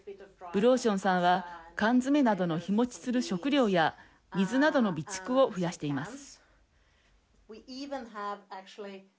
ブローションさんは缶詰などの日持ちする食料や水などの備蓄を増やしています。